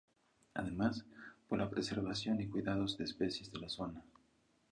Además, por la preservación y cuidados de especies de la zona.